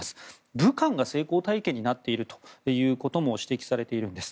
武漢が成功体験になっているということも指摘されているんです。